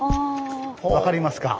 分かりますか。